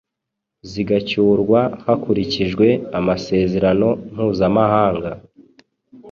zigacyurwa hakurikijwe amasezerano mpuzamahanga".